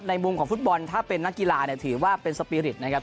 มุมของฟุตบอลถ้าเป็นนักกีฬาเนี่ยถือว่าเป็นสปีริตนะครับ